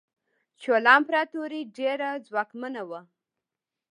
چولا امپراتوري ډیره ځواکمنه وه.